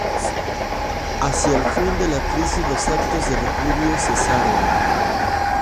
Hacia el fin de la crisis, los actos de repudio cesaron.